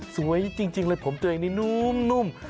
สวยจริงเลยผมตัวเองนี่นุ่ม